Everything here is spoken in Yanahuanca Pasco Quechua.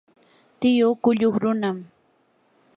tiyuu qulluq runam.